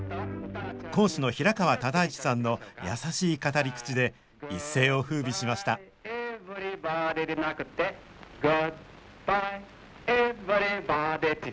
講師の平川唯一さんの優しい語り口で一世をふうびしました「グッバイエヴリバディ」